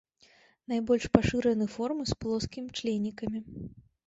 Найбольш пашыраны формы з плоскімі членікамі.